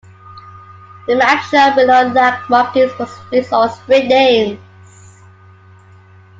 The maps shown below lack markings for streets or street names.